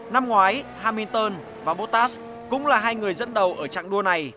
năm ngoái hamilton và bottas cũng là hai người dẫn đầu ở trạng đua này